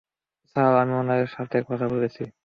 Sir, আমি উনার সাথে কথা বলেছি।